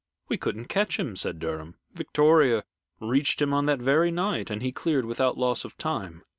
"We couldn't catch him," said Durham. "Victoria reached him on that very night, and he cleared without loss of time.